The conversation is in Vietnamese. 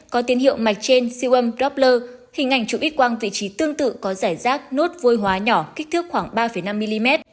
có tín hiệu mạch trên siêu âm blockler hình ảnh chụp ít quang vị trí tương tự có giải rác nốt vôi hóa nhỏ kích thước khoảng ba năm mm